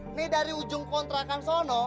ini dari ujung kontrakan sono